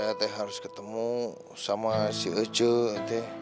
kenapa saya harus ketemu sama si ece